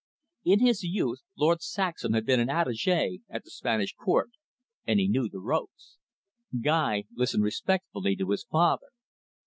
In his youth, Lord Saxham had been an attache at the Spanish Court, and he knew the ropes. Guy listened respectfully to his father.